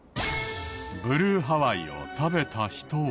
ブルーハワイを食べた人は。